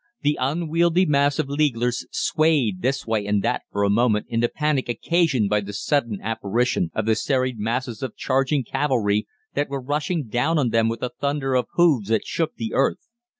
The unwieldy mass of 'Leaguers' swayed this way and that for a moment in the panic occasioned by the sudden apparition of the serried masses of charging cavalry that were rushing down on them with a thunder of hoofs that shook the earth.